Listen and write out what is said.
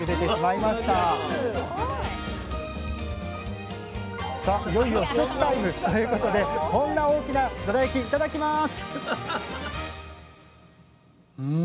いよいよ試食タイム！ということでこんな大きなどら焼きいただきます！